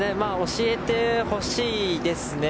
教えてほしいですね。